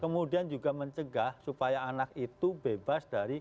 kemudian juga mencegah supaya anak itu bebas dari